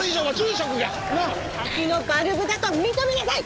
滝のバルブだと認めなさい！